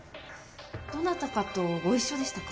どなたかとご一緒でしたか？